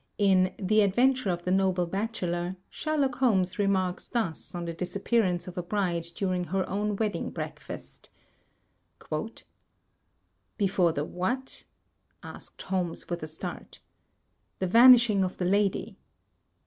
In "The Adventure of the Noble Bachelor," Sherlock Holmes remarks thus on the dis appearance of a bride during her own wedding breakfast: "Before the what?" asked Holmes with a start. "The vanishing of the lady."